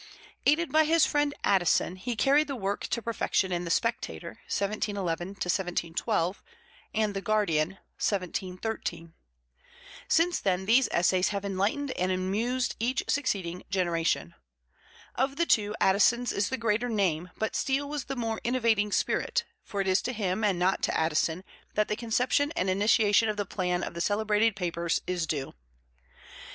Aided by his friend, Addison, he carried the work to perfection in the Spectator (1711 1712) and the Guardian (1713). Since then these essays have enlightened and amused each succeeding generation. Of the two, Addison's is the greater name, but Steele was the more innovating spirit, for it is to him, and not to Addison, that the conception and initiation of the plan of the celebrated papers is due.